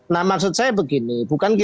nah maksud saya begini